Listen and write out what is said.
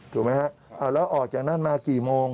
ถูกไหมฮะแล้วออกจากนั้นมากี่โมง